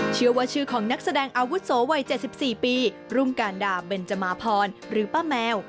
ชื่อว่าชื่อของนักแสดงอาวุโสวัย๗๔ปีรุ่งการดาเบนจมาพรหรือป้าแมว